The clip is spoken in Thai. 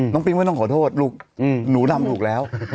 ปิ้งไม่ต้องขอโทษลูกหนูทำถูกแล้ว